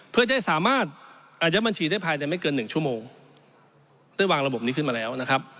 เพื่อได้สามารถอาจจะบัญชีได้ภายในไม่เกิน๑ชั่วโมงได้วางระบบนี้ขึ้นมาแล้ว